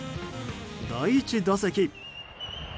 第１打席。